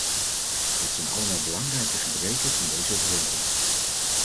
Dit zijn allemaal belangrijke gebreken van deze overeenkomst.